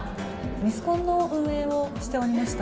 ミスコンの運営をしておりました。